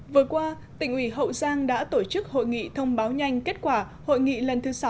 vừa qua tỉnh ủy hậu giang đã tổ chức hội nghị thông báo nhanh kết quả hội nghị lần thứ sáu